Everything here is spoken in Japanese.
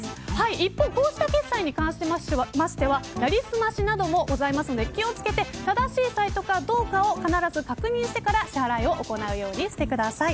一方、こうした決済に関してはなりすましなどもございますので気を付けて正しいサイトかどうかを必ず確認してから支払いを行うようにしてください。